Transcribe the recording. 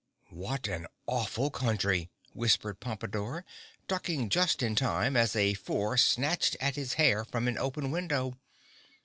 "What an awful country," whispered Pompadore, ducking just in time, as a Four snatched at his hair from an open window.